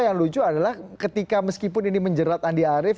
yang lucu adalah ketika meskipun ini menjerat andi arief